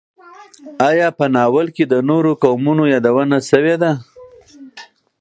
ایا په ناول کې د نورو قومونو یادونه شوې ده؟